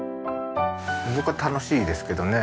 僕は楽しいですけどね。